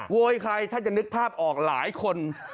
โวยใครถ้าจะนึกภาพออกหลายคน